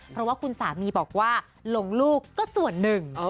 เพราะว่าคุณสามีบอกว่าหลงลูกก็ส่วนหนึ่ง